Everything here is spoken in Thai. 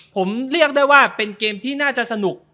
ผมเรียกได้ว่าเป็นเกมที่น่าจะสนุก